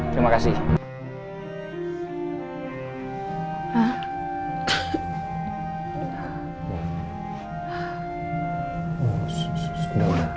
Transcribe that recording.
tolong siapkan ambulans untuk menuju ke pemakaman